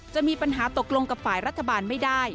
จะมีปัญหาตกลงกับฝ่ายรัฐบาลไม่ได้